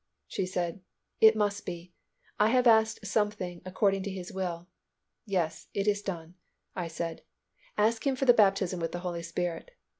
She said, "It must be. I have asked something according to His will. Yes, it is done." I said, "Ask Him for the baptism with the Holy Spirit."